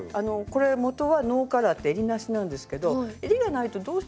もとはノーカラーってえりなしなんですけどえりがないとどうしてもちょっと。